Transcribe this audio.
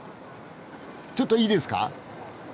ちょっといいですか？